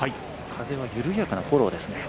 風は緩やかなフォローですね。